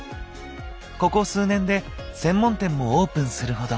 ここ数年で専門店もオープンするほど。